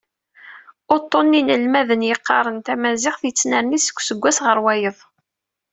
Uṭṭun n yinelmaden yeqqaren tamaziɣt, yettnerni seg useggas ɣer wayeḍ.